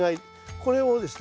これをですね